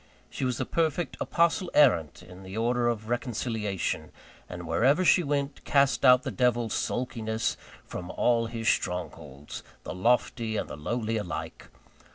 She was a perfect Apostle errant of the order of Reconciliation; and wherever she went, cast out the devil Sulkiness from all his strongholds the lofty and the lowly alike.